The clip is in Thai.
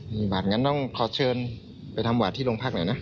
หลังจากนั้นต้องเขาเชิญไปทำหวัดที่ร่วมพักหน่อยนะ